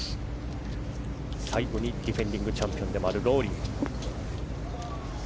最後にディフェンディングチャンピオンでもあるロウリー。